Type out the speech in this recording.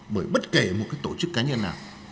bởi bất kể một tổ chức cá nhân nào